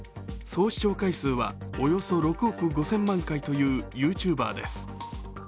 総視聴回数はおよそ６億５０００万回というＹｏｕＴｕｂｅｒです。